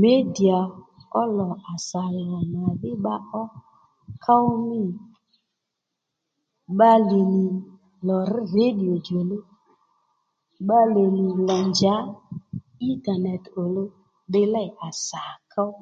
Midiya ó lò à sà lò màdhí bba ó ków mî bbalè nì lò rř radio djòluw bbalè nì lò njǎ intanet òluw ddiy lêy à sà ków